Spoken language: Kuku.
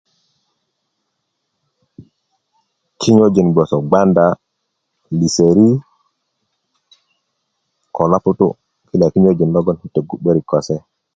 kinyojin gboso gbanda liserit ko loputu kilo kinyöjin logon yi' tögu 'börik ko se